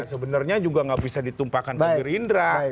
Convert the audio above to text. sebenarnya juga gak bisa ditumpahkan ke diri indra